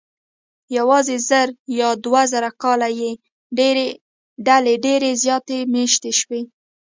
یواځې زر یا دوه زره کاله کې ډلې ډېرې زیاتې مېشتې شوې.